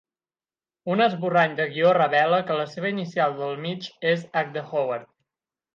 Un esborrany de guió revela que la seva inicial del mig és "H" de "Howard".